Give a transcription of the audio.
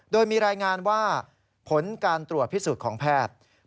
โดยมีรายงานว่าผลการตรวจพิสูจน์ของแพทย์